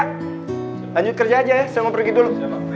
lanjut kerja aja ya saya mau pergi dulu